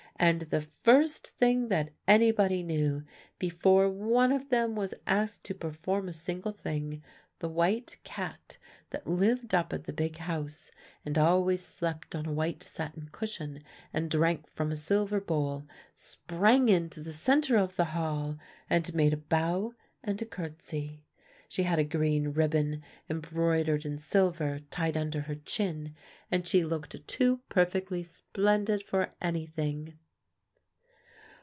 And the first thing that anybody knew, before one of them was asked to perform a single thing, the white cat that lived up at the big house, and always slept on a white satin cushion, and drank from a silver bowl, sprang into the centre of the hall, and made a bow and a curtsey. She had a green ribbon embroidered in silver tied under her chin, and she looked too perfectly splendid for anything.